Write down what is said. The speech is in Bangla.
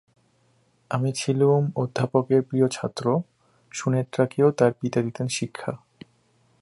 আমি ছিলুম অধ্যাপকের প্রিয় ছাত্র, সুনেত্রাকেও তার পিতা দিতেন শিক্ষা।